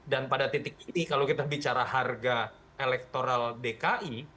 dan pada titik ini kalau kita bicara harga elektoral dki